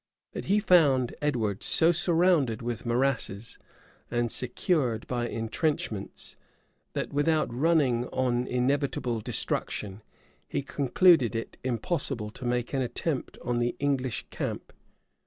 But he found Edward so surrounded with morasses, and secured by intrenchments, that, without running on inevitable destruction, he concluded it impossible to make an attempt on the English camp.